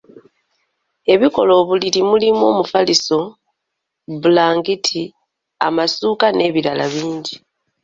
Ebikola obuliri mulimu omufaliso, bulangiti, amasuuka n'ebirala bingi.